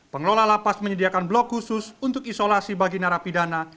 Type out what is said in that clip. pengelola lapas menyediakan blok khusus untuk isolasi bagi narapidana